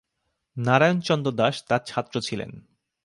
নারায়ন চন্দ দাশ তার ছাত্র ছিলেন।